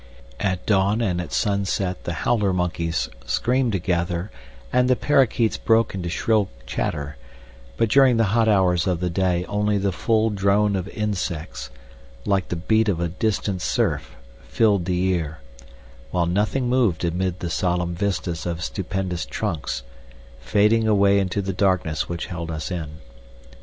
At dawn and at sunset the howler monkeys screamed together and the parrakeets broke into shrill chatter, but during the hot hours of the day only the full drone of insects, like the beat of a distant surf, filled the ear, while nothing moved amid the solemn vistas of stupendous trunks, fading away into the darkness which held us in.